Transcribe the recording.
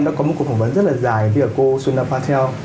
em đã có một cuộc phỏng vấn rất là dài với cô suna patel